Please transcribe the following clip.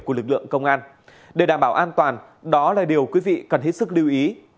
của lực lượng công an để đảm bảo an toàn đó là điều quý vị cần hết sức lưu ý